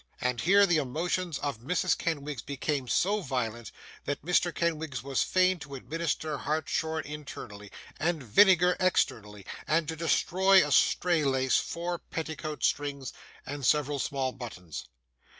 And, here, the emotions of Mrs. Kenwigs became so violent, that Mr. Kenwigs was fain to administer hartshorn internally, and vinegar externally, and to destroy a staylace, four petticoat strings, and several small buttons.